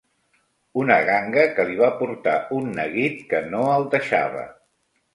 Una ganga que li va portar un neguit que no el deixava